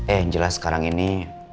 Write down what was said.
yang jelas sekarang ini